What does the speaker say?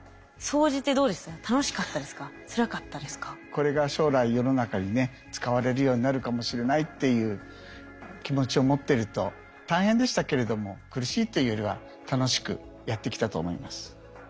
これが将来世の中にね使われるようになるかもしれないっていう気持ちを持ってると大変でしたけれども苦しいというよりは楽しくやってきたと思います。